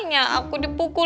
makanya aku dipukul